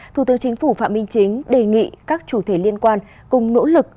thủ tướng chính phủ phạm minh chính đề nghị các chủ thể liên quan cùng nỗ lực